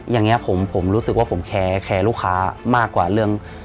อย่างนี้ผมรู้สึกว่าผมแคร์ลูกค้ามากกว่าเรื่อง